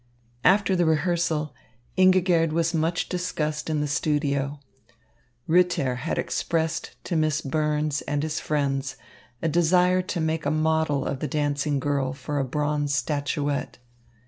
After the rehearsal, Ingigerd was much discussed in the studio. Ritter had expressed to Miss Burns and his friends a desire to make a model of the dancing girl for a bronze statuette.